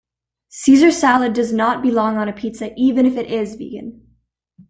Caesar salad does not belong on a pizza even it it is vegan.